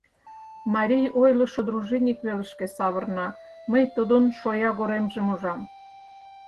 Марий ойлышо дружинник велышке савырна, мый тудын шоягоремжым ужам.